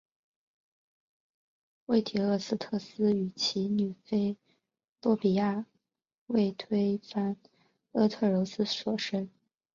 为堤厄斯忒斯与其女菲洛庇亚为推翻阿特柔斯所生。